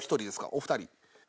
お二人？